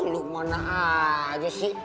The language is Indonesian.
luh mana aja sih